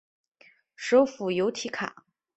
首府由提卡。